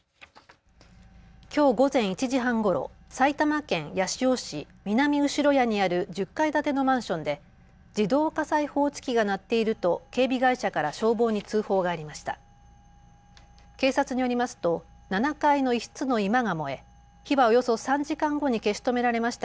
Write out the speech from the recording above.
きょう午前１時半ごろ埼玉県八潮市南後谷にある１０階建てのマンションで自動火災報知器が鳴っていると警備会社から消防に通報がありました。